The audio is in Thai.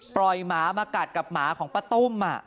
ปล่อยหมามากัดกับหมาของป๊าตุ้ม